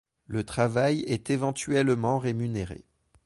Le travail est éventuellement rémunéré.